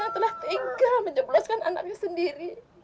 yang telah tinggal menjelaskan anaknya sendiri